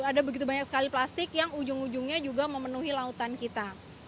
ada begitu banyak sekali plastik yang ujung ujungnya juga memenuhi lautan kita